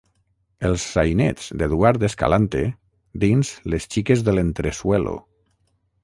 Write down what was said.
«Els sainets d'Eduard Escalante» dins Les xiques de l'entresuelo.